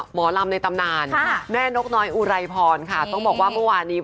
หมอลำในตำนานแม่นกน้อยอุไรพรค่ะต้องบอกว่าเมื่อวานนี้